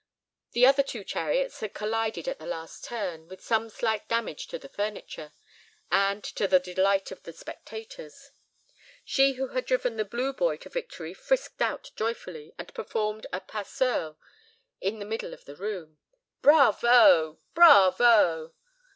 The other two chariots had collided at the last turn, with some slight damage to the furniture, and to the delight of the spectators. She who had driven the blue boy to victory frisked out joyfully, and performed a pas seul in the middle of the room. "Bravo! bravo!"